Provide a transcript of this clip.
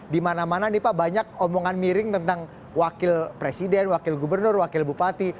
di mana mana nih pak banyak omongan miring tentang wakil presiden wakil gubernur wakil bupati